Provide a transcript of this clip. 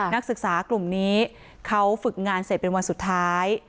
นักศึกษากลุ่มนี้เขาฝึกงานเสร็จเป็นวันสุดท้าย